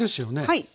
はい。